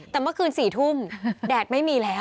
แต่เมื่อคืน๔ทุ่มแดดไม่มีแล้ว